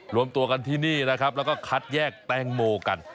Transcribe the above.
รวมตัวกันที่นี่นะครับแล้วก็คัดแยกแตงโมกัน